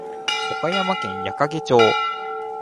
岡山県矢掛町